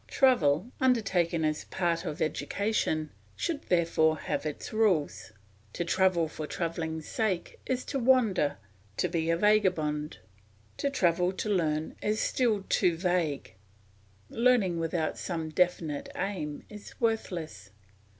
Travel, undertaken as a part of education, should therefore have its rules. To travel for travelling's sake is to wander, to be a vagabond; to travel to learn is still too vague; learning without some definite aim is worthless.